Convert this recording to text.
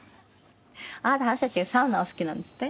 あなたサウナお好きなんですって？